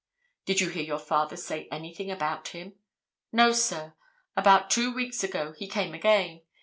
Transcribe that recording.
'Did you hear your father say anything about him?' 'No, sir. About two weeks ago he came again.